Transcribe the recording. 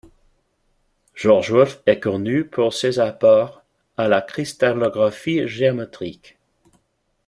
George Wulff est connu pour ses apports à la cristallographie géométrique.